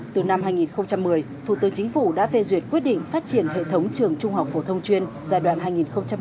từ năm hai nghìn một mươi thủ tướng chính phủ đã phê duyệt quyết định phát triển hệ thống trường trung học phổ thông chuyên giai đoạn hai nghìn một mươi chín hai nghìn hai mươi